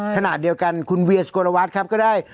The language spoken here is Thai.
ขนาดเดียวกันคุณเวียสโกระวัสครับก็ได้